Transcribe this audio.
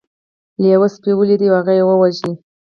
لیوه سپی ولید او هغه یې وواژه.